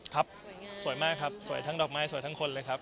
ครับสวยมากครับสวยทั้งดอกไม้สวยทั้งคนเลยครับ